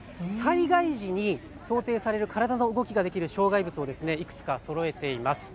災害時に想定される体の動きができる障害物をいくつかそろえています。